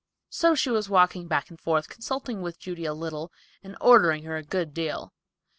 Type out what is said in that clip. So she was walking back and forth, consulting with Judy a little and ordering her a good deal.